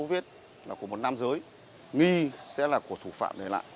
ba vết của một nam giới nghe sẽ là của thủ phạm này